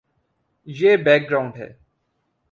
یہ background ہے۔